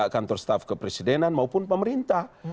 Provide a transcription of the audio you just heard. kantor staf kepresidenan maupun pemerintah